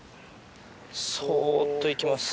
そっと行きます。